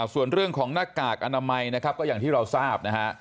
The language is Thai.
ส่วนเรื่องของหน้ากากอนามัยนะครับก็อย่างที่เราทราบนะฮะ